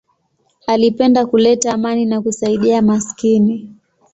Alipenda kuleta amani na kusaidia maskini.